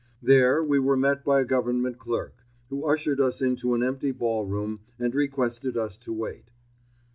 There we were met by a Government clerk, who ushered us into an empty ball room and requested us to wait.